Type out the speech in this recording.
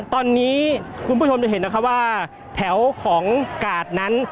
ตอนนี้คุณผู้ชมจะเห็นนะคะว่าแถวของกาดนั้น